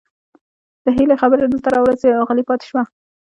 د هيلې خبرې دلته راورسيدې او غلې پاتې شوه